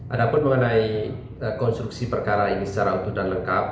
ada pun mengenai konstruksi perkara ini secara utuh dan lengkap